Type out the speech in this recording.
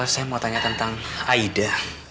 saya mau tanya tentang aida